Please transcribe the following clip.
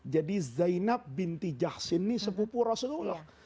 jadi zainab binti jahsin ini sepupu rasulullah